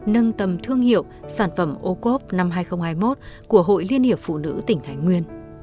nâng tầm thương hiệu sản phẩm ô cốp năm hai nghìn hai mươi một của hội liên hiệp phụ nữ tỉnh thái nguyên